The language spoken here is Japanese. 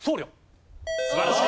素晴らしい！